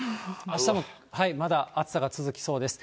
あしたもまだ暑さが続きそうです。